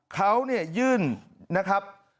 เขายืนครับ